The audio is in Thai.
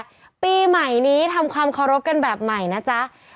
ปีใหม่นี้ทำความเคารพกันแบบใหม่นะจ๊ะ